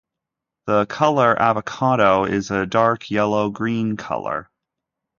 The color "avocado" is a dark yellow-green color.